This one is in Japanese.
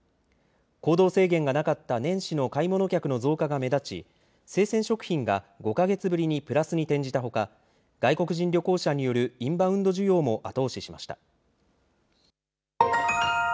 行動制限がなかった年始の買い物客の増加が目立ち、生鮮食品が５か月ぶりにプラスに転じたほか、外国人旅行者によるインバウンド需要も後押ししました。